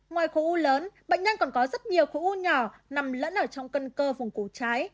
ngoài khối u lớn bệnh nhân còn có rất nhiều khối u nhỏ nằm lẫn ở trong cân cơ vùng cổ trái